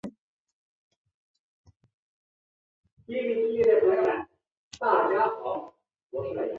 蓝德尔星孔珊瑚为轴孔珊瑚科星孔珊瑚下的一个种。